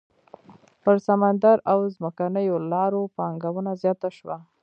پر سمندري او ځمکنيو لارو پانګونه زیاته شوه.